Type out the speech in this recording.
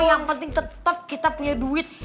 yang penting tetap kita punya duit